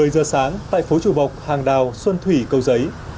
một mươi giờ sáng tại phố chù bọc hàng đào xuân thủy câu giấy